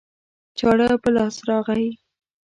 چاړه په لاس راغی